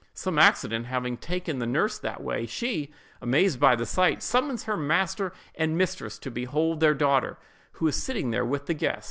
Some accident having taken the nurse that way, she, amazed by the sight, summons her master and mistress to behold their daughter, who is there sitting with the guest.